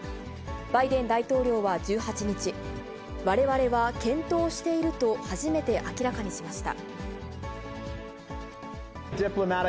バイデン大統領は１８日、われわれは検討していると、初めて明らかにしました。